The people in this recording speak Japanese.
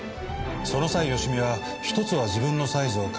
その際芳美は１つは自分のサイズを買い